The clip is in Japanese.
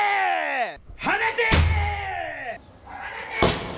放て！